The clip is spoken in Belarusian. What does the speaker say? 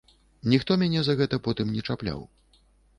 Ніхто мяне за гэта потым не чапляў.